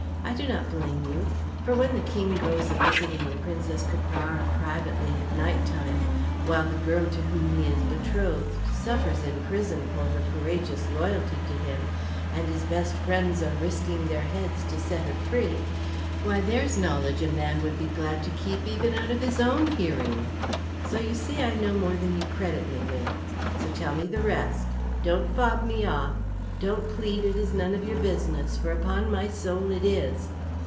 I do not blame you. For when the King goes a visiting the Princess Caprara privately at night time while the girl to whom he is betrothed suffers in prison for her courageous loyalty to him, and his best friends are risking their heads to set her free, why, there's knowledge a man would be glad to keep even out of his own hearing. So you see I know more than you credit me with. So tell me the rest! Don't fob me off. Don't plead it is none of your business, for, upon my soul, it is."